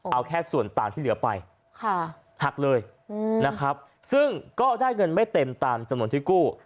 เอาแค่ส่วนต่างที่เหลือไปหักเลยนะครับซึ่งก็ได้เงินไม่เต็มตามจำนวนที่กู้